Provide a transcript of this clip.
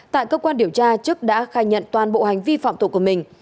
tại cơ quan điều tra trức đã khai nhận toàn bộ hành vi phạm tụ của mình